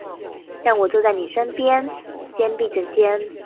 讓我坐在妳身旁，肩並著肩